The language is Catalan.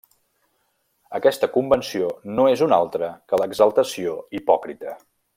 Aquesta convenció no és una altra que l'exaltació hipòcrita.